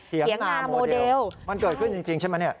เหยียงหนาโมเดลมันเกิดขึ้นจริงใช่ไหม